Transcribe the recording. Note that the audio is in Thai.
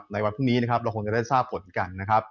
ในวันพรุ่งนี้เราคงจะได้ทราบผลกัน